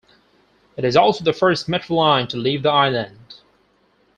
It is also the first Metro line to leave the island.